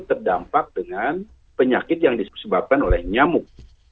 terdampak dengan penyakit yang disebabkan oleh nyamuk